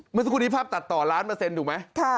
เมื่อสักครู่นี้ภาพตัดต่อล้านเปอร์เซ็นต์ถูกไหม